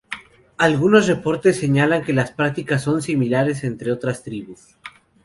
Algunos reportes señalan que las prácticas son similares entre otras tribus.